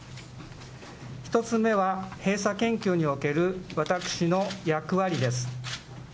１つ目は、閉鎖研究における私の役割です。